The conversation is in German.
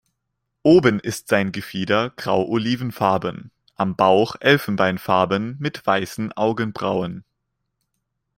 Oben ist sein Gefieder grau-olivenfarben, am Bauch elfenbeinfarben mit weißen Augenbrauen.